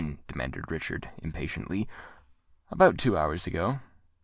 demanded Richard impatiently. "About two hours ago."